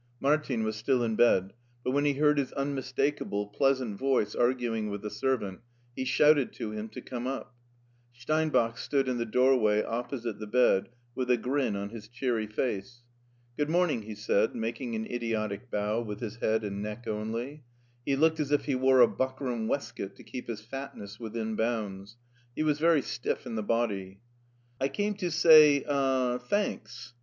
Martin was still in bed, but when he heard his unmistakable, pleasant voice arguing with the servant, he shouted to him to come up. Steinbach stood in the doorway opposite the bed, with a grin on his cheery face. "Good morning," he said, making an idiotic bow with his head and neck only. He looked as if he wore a buckram waistcoat to keep his fatness within bounds. He was very stiff in the body. " I came to say— er — ^thanks."